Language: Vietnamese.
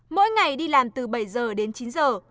mỗi ngày đi làm từ bảy giờ đến chín giờ